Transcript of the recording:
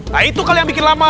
nah itu kalau yang bikin lama